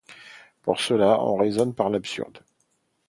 Pour cela, on raisonne par l'absurde.